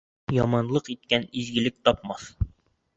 Яманлыҡ иткән изгелек тапмаҫ.